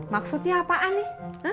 maksudnya apaan nih